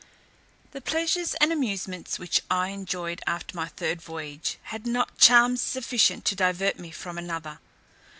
The pleasures and amusements which I enjoyed after my third voyage had not charms sufficient to divert me from another.